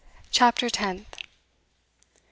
CHAPTER TENTH.